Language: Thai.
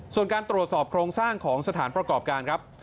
ส่วนการตรวจสอบโครงสร้างของสถานประกอบการครับ